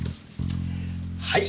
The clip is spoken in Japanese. はい。